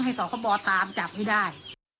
ให้สวทบตามจับให้ได้